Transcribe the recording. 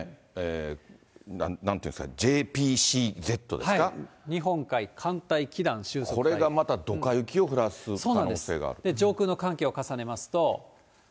なんて言うんですか、ＪＰＣＺですか、これがまたどか雪を降らす可そうなんです、上空の寒気を重ねますと。